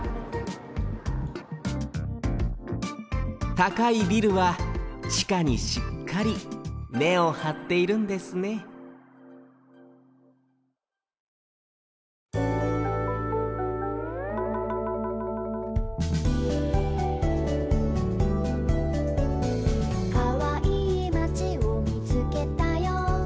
たかいビルはちかにしっかり根をはっているんですね「かわいいまちをみつけたよ」